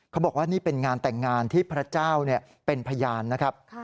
บอกว่านี่เป็นงานแต่งงานที่พระเจ้าเป็นพยานนะครับ